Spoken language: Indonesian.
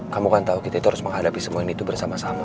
kamu kan tahu kita itu harus menghadapi semua ini itu bersama sama